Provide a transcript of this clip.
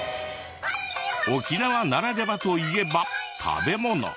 沖縄ならではといえば食べ物。